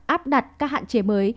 áp đặt các hạn chế mới